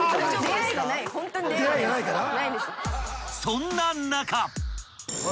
［そんな中］